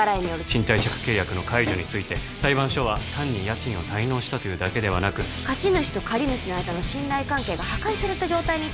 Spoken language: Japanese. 賃貸借契約の解除について裁判所は単に家賃を滞納したというだけではなく貸主と借り主の間の信頼関係が破壊された状態に